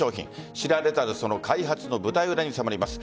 知られざるその開発の舞台裏に迫ります。